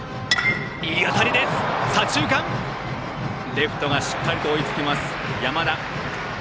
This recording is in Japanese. レフト、山田がしっかりと追いつきます。